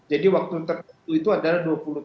jadi waktu tertentu itu adalah